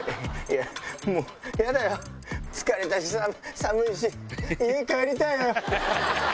やだよ、疲れたしさ、寒いし、家帰りたいよ。